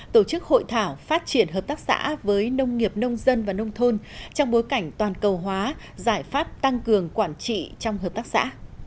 tổ chức hội thảo phát triển hợp tác xã với nông nghiệp nông dân và nông thôn trong bối cảnh toàn cầu hóa giải pháp tăng cường quản trị trong hợp tác xã